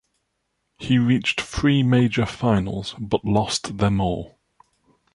He reached three major finals, but lost them all.